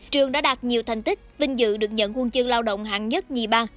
trường đã đạt nhiều thành tích vinh dự được nhận huân chương lao động hạng nhất nhì ba